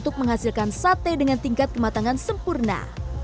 dan menghasilkan sate dengan tingkat kematangan sempurna